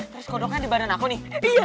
terus kodoknya di badan aku nih